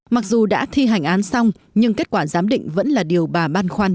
mặc dù đã thi hành án xong nhưng kết quả giám định vẫn là điều này